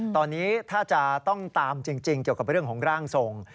ตอนนี้ถ้าจะต้องตามจริงเกี่ยวกับเรื่องของร่างทรง